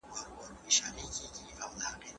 زه پرون مېوې راټولوم وم!.